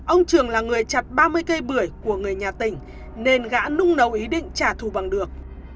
ông trường là người chặt ba mươi cây bưởi của người nhà tỉnh nên gã nung nấu ý định trả thù bằng được